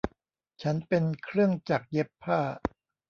ฉันเป็นเครื่องจักรเย็บผ้า